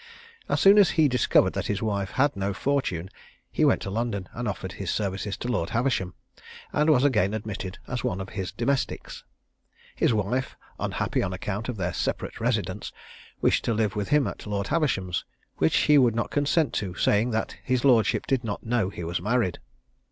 As soon as he discovered that his wife had no fortune, he went to London and offered his services to Lord Haversham, and was again admitted as one of his domestics. His wife, unhappy on account of their separate residence, wished to live with him at Lord Haversham's, which he would not consent to, saying, that his lordship did not know he was married.